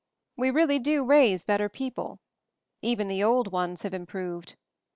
"We really do raise better people. Even the old ones have improved.